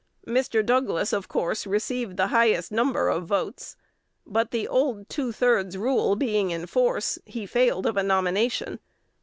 Mr. Douglas, of course, received the highest number of votes; but, the old two thirds rule being in force, he failed of a nomination.